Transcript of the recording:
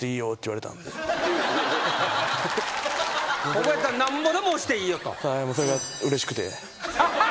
ここやったらなんぼでも押していいよと。